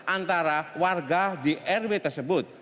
antara warga di rw tersebut